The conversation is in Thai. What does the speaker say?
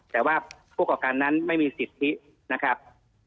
แต่ว่าผู้ก่อการนั้นไม่มีสิทธินะครับ